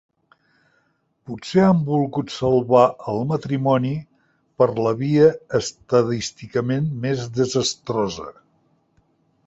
Potser han volgut salvar el matrimoni per la via estadísticament més desastrosa.